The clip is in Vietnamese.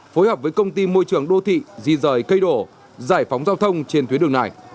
phối hợp với công ty môi trường đô thị di rời cây đổ giải phóng giao thông trên tuyến đường này